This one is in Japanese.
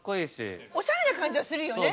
おしゃれな感じはするよね。